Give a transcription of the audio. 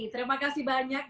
terima kasih banyak